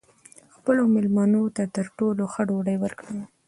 خپلو مېلمنو ته تر ټولو ښه ډوډۍ ورکړئ.